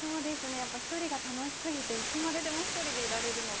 やっぱ１人が楽し過ぎていつまででも１人でいられるので。